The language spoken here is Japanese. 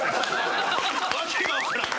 訳が分からん。